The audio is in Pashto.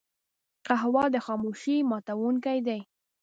قهوه د خاموشۍ ماتونکی دی